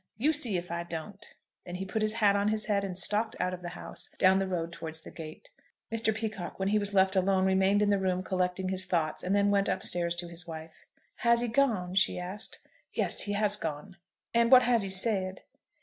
You see if I don't." Then he put his hat on his head, and stalked out of the house, down the road towards the gate. Mr. Peacocke, when he was left alone, remained in the room collecting his thoughts, and then went up stairs to his wife. "Has he gone?" she asked. "Yes, he has gone." "And what has he said?"